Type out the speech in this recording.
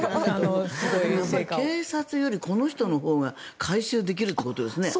警察よりこの人のほうが回収できるってことですね。